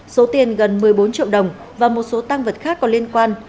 số tiền gần một mươi bốn triệu đồng và một số tăng vật khác có liên quan